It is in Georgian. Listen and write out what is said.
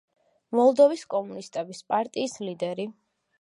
მოლდოვის კომუნისტების პარტიის ლიდერი.